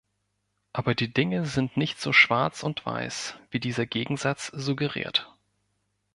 Aber die Dinge sind nicht so schwarz und weiß, wie dieser Gegensatz suggeriert.